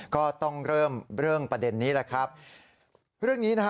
ก็ต้องเริ่มเรื่องประเด็นนี้แหละครับเรื่องนี้นะฮะ